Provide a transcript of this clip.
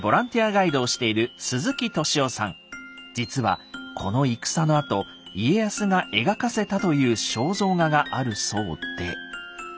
実はこの戦のあと家康が描かせたという肖像画があるそうで。